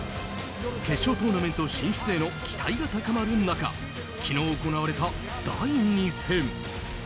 決勝トーナメント進出への期待が高まる中昨日行われた第２戦。